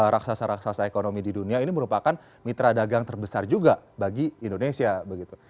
raksasa raksasa ekonomi di dunia ini merupakan mitra dagang terbesar juga bagi indonesia begitu